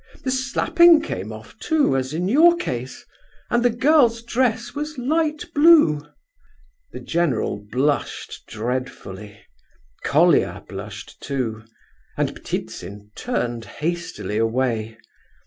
The slapping came off, too, as in your case; and the girl's dress was light blue!" The general blushed dreadfully; Colia blushed too; and Ptitsin turned hastily away.